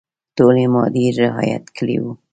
ټولي مادې رعیات کړي.